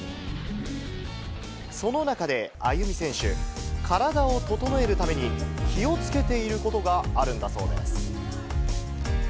その中で、アユミ選手、カラダを整えるために、気をつけていることがあるんだそうです。